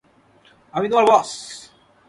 আমি তোমার বস!